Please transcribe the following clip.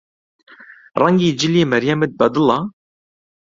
ڕەنگی جلی مەریەمت بەدڵە؟